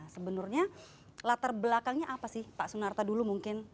sebenarnya latar belakangnya apa sih pak sunarta dulu mungkin